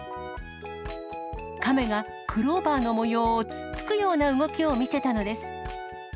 カメがクローバーの模様をつっつくような動きを見せたのです。